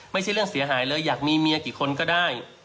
ไม่ใช่เรื่องเสียหายเลยอยากมีเมียกี่คนก็ได้